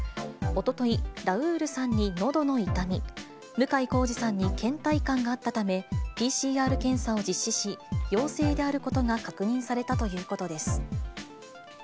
おととい、ラウールさんにのどの痛み、向井康二さんにけん怠感があったため、ＰＣＲ検査を実施し、陽性であることが確認されたということです。